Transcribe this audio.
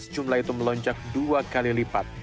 jumlah itu melonjak dua kali lipat